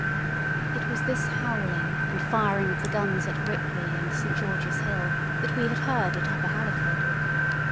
It was this howling and firing of the guns at Ripley and St. George's Hill that we had heard at Upper Halliford.